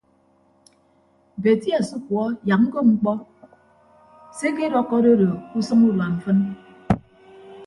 Beti asukuọ yak ñkop mkpọ se ekedọkkọ adodo ke usʌñ urua mfịn.